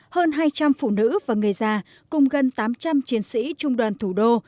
hơn hai trăm linh phụ nữ và người già cùng gần tám trăm linh chiến sĩ trung đoàn thủ đô